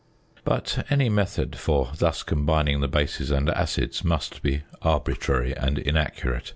But any method for thus combining the bases and acids must be arbitrary and inaccurate.